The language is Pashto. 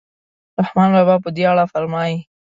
رحمان بابا په دې اړه فرمایي.